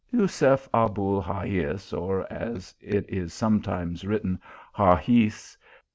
Jusef Abul Hagias, (or, as it is sometimes written, Haxis.)